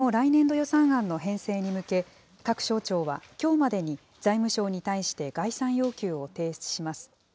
国の来年度予算案の編成に向け、各省庁はきょうまでに財務省に対して概算要求を提出します。